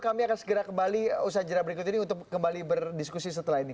kami akan segera kembali usaha jera berikut ini untuk kembali berdiskusi setelah ini